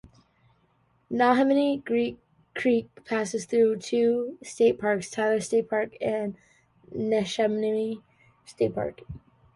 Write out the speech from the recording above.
Neshaminy Creek passes through two state parks, Tyler State Park and Neshaminy State Park.